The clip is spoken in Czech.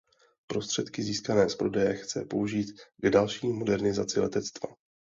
Prostředky získané z prodeje chce použít k další modernizaci letectva.